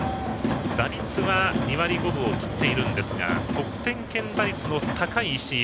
打率は２割５分を切っていますが得点圏打率の高い石井。